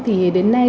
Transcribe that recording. thì đến nay